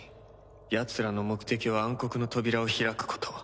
やつらの目的は暗黒の扉を開くこと